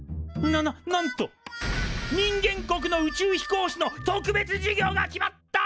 なななんと人間国の宇宙飛行士の特別授業が決まった！